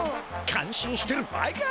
感心してる場合か！